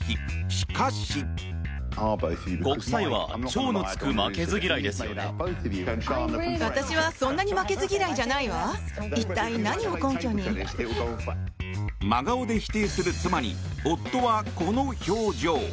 しかし。真顔で否定する妻に夫は、この表情。